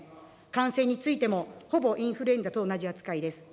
感染についても、ほぼインフルエンザと同じ扱いです。